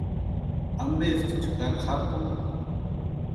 ¿Ampeeski chkari japu?